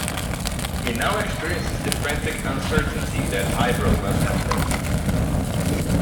He now experiences the frantic uncertainty that Ibro must have faced.